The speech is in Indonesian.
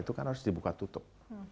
itu kan harus dibuka tutup